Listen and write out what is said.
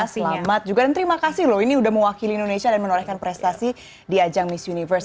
selamat juga dan terima kasih loh ini udah mewakili indonesia dan menorehkan prestasi di ajang miss universe